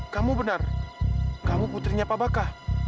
kamu benar kamu putrinya pak bakah